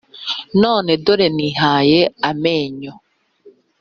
none dore nihaye amenyo